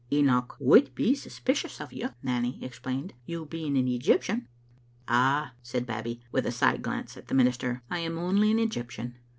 "Enoch would be suspicious o' you," Nanny ex* plained, " you being an Egyptian. " "Ah," said Babbie, with a side glance at the minis ter, " I am only an Egyptian.